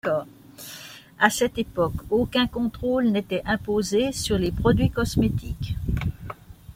À cette époque, aucun contrôle n'était imposé sur les produits cosmétiques.